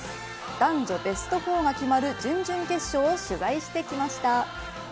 男女ベスト４が決まる準々決勝を取材してきました。